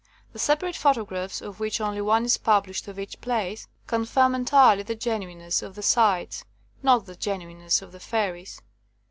The separate photo graphs, of which only one is published of each place, confirm entirely the genuineness 89 THE COMING OF THE FAIRIES of the sites — not the genuineness of the fairies.